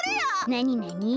なになに？